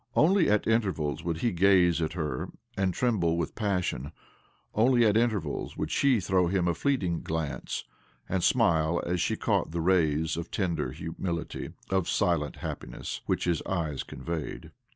Only at intervals would he gaze at her and tremble with passion ; only at intervals would she throw him a fleeting glance, and smile as she caught the rays of tender humility, of silent happiness, which his eyes conveyed.